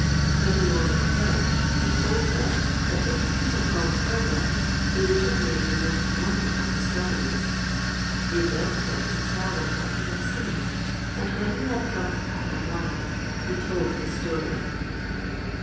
When he was on deck he told them that if he could have gone further he would have made the most wonderful discoveries. They begged him to tell them what he had seen, and when he had drunk a cup of wine he told his story.